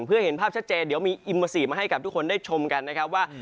เพื่อเห็นภาพชัดเจนเดี๋ยวมีอิมเมอร์ซีฟมาให้กับทุกคนได้ชมกันนะครับว่า